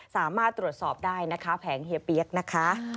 สามารถตรวจสอบได้นะคะแผงเฮียเปี๊ยกนะคะ